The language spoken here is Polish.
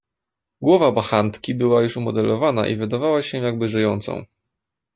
"Głowa bachantki była już umodelowana i wydawała się jakby żyjącą."